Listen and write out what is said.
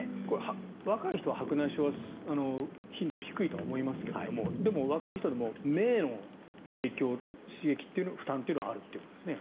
若い人は白内障は頻度は低いと思いますがでも、若い人でも目への影響刺激、負担というのがあるということですね。